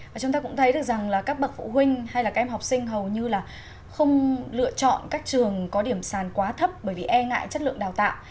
và chúng ta cũng thấy được rằng là các bậc phụ huynh hay là các em học sinh hầu như là không lựa chọn các trường có điểm sàn quá thấp bởi vì e ngại chất lượng đào tạo